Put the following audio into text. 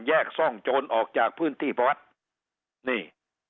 ซ่องโจรออกจากพื้นที่วัดนี่